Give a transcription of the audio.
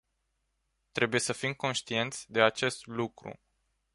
Trebuie să fim conștienți de acest lucru.